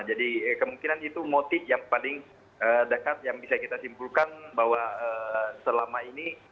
jadi kemungkinan itu motif yang paling dekat yang bisa kita simpulkan bahwa selama ini